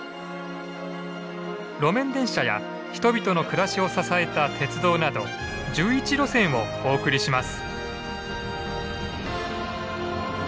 路面電車や人々の暮らしを支えた鉄道など１１路線をお送りします。